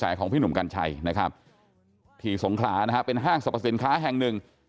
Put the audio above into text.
ของพี่หนุ่มกัญชัยนะครับที่สงขลานะฮะเป็นห้างสรรพสินค้าแห่งหนึ่ง